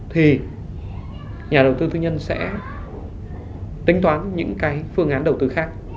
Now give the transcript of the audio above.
thì nhà đầu tư tư nhân sẽ tính toán những cái phương án đầu tư khác